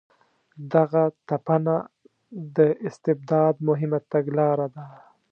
دغه تپنه د استبداد مهمه تګلاره ده.